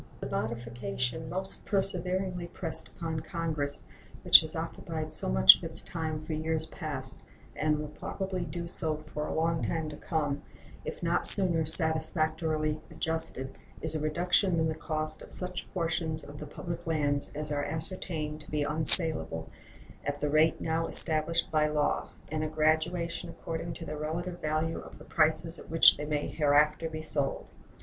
The modification most perseveringly pressed upon Congress, which has occupied so much of its time for years past, and will probably do so for a long time to come, if not sooner satisfactorily adjusted, is a reduction in the cost of such portions of the public lands as are ascertained to be unsalable at the rate now established by law, and a graduation according to their relative value of the prices at which they may hereafter be sold.